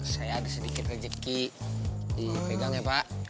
saya ada sedikit rejeki di pegang ya pak